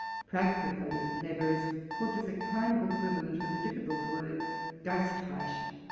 2 * Practically clever" is put as a kind of equivalent for the difficult word '* geist: reich."